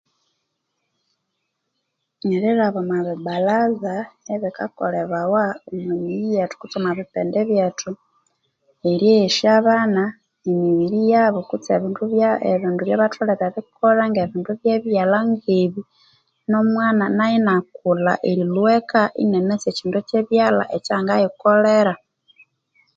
Erilhaba omwa bilaza ebikakolebawa omwa miyi yethu kutse omwa bipindi byethu. Eryeghesya abana emibiri yabo kutse ebindu ebyabatholere erikolha nge ebindu ebye byalha ngebi nomwana nayo inakulha erilhwa eka inanasi ekyindu ekye byalha ekyangayikolera.